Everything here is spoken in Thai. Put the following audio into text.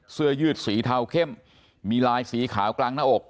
เสื้อยืดสีเทาเข้มมีลายสีขาวกลางหน้าอก